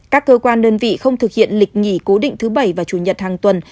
các cơ quan đơn vị không thực hiện lịch nghỉ cố định thứ bảy và chủ nhật hàng tuần